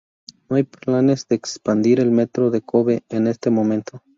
No hay planes para expandir el metro de Kobe en este momento.